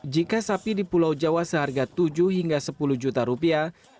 jika sapi di pulau jawa seharga tujuh hingga sepuluh juta rupiah